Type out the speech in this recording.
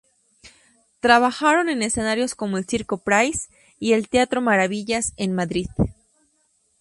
Trabajaron en escenarios como el Circo Price y el Teatro Maravillas, en Madrid.